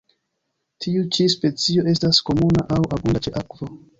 Tiu ĉi specio estas komuna aŭ abunda ĉe akvo.